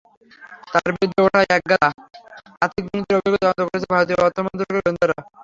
তাঁর বিরুদ্ধে ওঠা একগাদা আর্থিক দুর্নীতির অভিযোগের তদন্ত করছে ভারতীয় অর্থমন্ত্রকের গোয়েন্দারা।